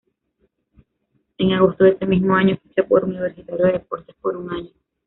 En agosto de ese mismo año ficha por Universitario de Deportes por un año.